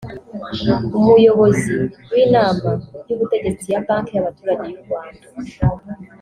Umuyobozi w’Inama y‘Ubutegetsi ya Banki y’Abaturage y’u Rwanda